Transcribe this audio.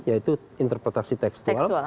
yaitu interpretasi tekstual